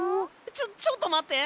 ちょっちょっとまって！